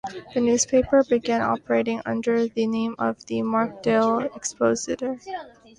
The newspaper began operating under the name of the "Markdale Expositor".